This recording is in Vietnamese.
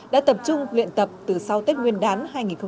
đã tập trung luyện tập từ sau tết nguyên đán hai nghìn hai mươi